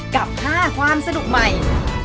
กับ๕ความสนุกใหม่